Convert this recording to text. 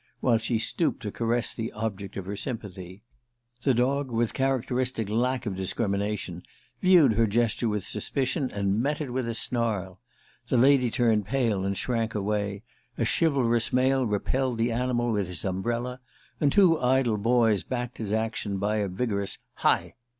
while she stooped to caress the object of her sympathy. The dog, with characteristic lack of discrimination, viewed her gesture with suspicion, and met it with a snarl. The lady turned pale and shrank away, a chivalrous male repelled the animal with his umbrella, and two idle boys backed his action by a vigorous "Hi!"